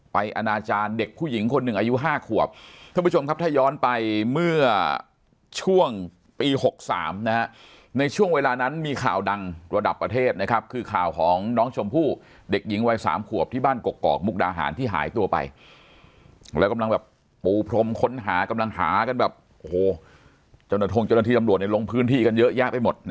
ไปอาณาจารย์เด็กผู้หญิงคนหนึ่งอายุห้าขวบซึ่งผู้ชมครับถ้าย้อน